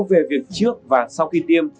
về việc trước và sau khi tiêm